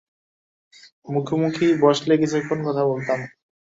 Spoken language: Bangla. মুখোমুখি বসলে কিছুক্ষণ কথা বলতাম।